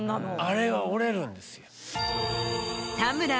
あれが折れるんです。